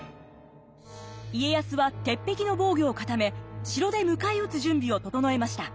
家康は鉄壁の防御を固め城で迎え撃つ準備を整えました。